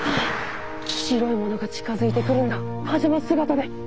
白いものが近づいてくるんだパジャマ姿で！